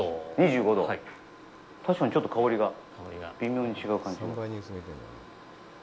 確かに、ちょっと香りが微妙に違う感じが。